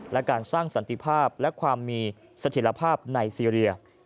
และการสร้างสันติภาพและความมีสถิตภาพในซีเรีย